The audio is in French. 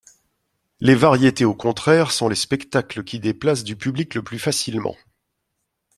Les variétés, au contraire, sont les spectacles qui déplacent du public le plus facilement.